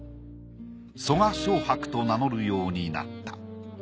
曾我蕭白と名乗るようになった。